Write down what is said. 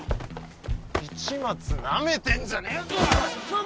市松なめてんじゃねえぞおら！